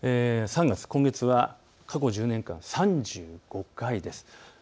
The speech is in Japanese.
３月は過去１０年間、３５回です。